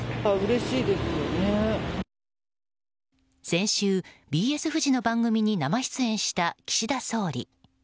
先週、ＢＳフジの番組に生出演した岸田総理。